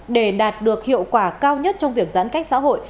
để đạt được hiệu quả cao nhất trong việc giãn cách xã hội